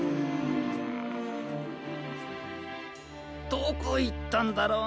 どこいったんだろう。